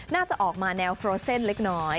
น่าจะออกมาแนวโฟสเซ่นเล็กน้อย